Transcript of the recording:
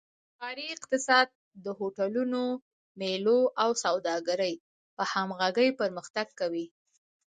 ښاري اقتصاد د هوټلونو، میلو او سوداګرۍ په همغږۍ پرمختګ کوي.